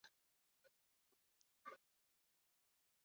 大水苎麻